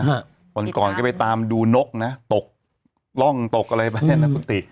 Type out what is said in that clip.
วันก่อนก็ไปตามดูนกนะตกร่องตกอะไรแบบนี้นะคุณติ